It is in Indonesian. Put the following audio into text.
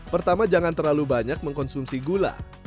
pertama jangan terlalu banyak mengkonsumsi gula